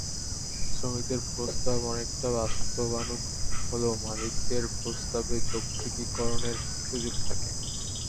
শ্রমিকদের প্রস্তাব অনেকটা বাস্তবানুগ হলেও মালিকদের প্রস্তাবে যৌক্তিকীকরণের সুযোগ থাকে।